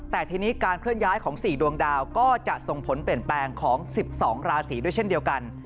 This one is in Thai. แต่ทีนี้การเคลื่อนย้ายของ๔ดวงดาวก็จะส่งผลเปลี่ยนแปลงของ๑๒ราศีด้วยเช่นเดียวกัน